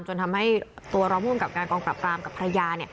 จนทำให้ตัวรองภูมิกับการกองปรับปรามกับภรรยา